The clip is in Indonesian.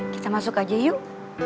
kita masuk aja yuk